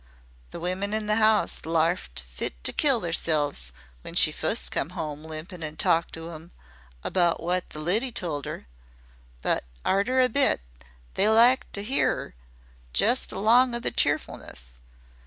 The women in the 'ouse larft fit to kill theirselves when she fust come 'ome limpin' an' talked to 'em about what the lidy told 'er. But arter a bit they liked to 'ear 'er just along o' the cheerfleness.